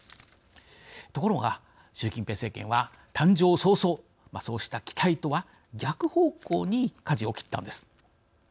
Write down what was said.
ところが、習近平政権は誕生早々、そうした期待とは逆方向にかじを切ったのです。